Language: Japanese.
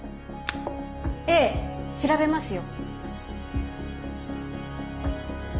ええ調べますよ。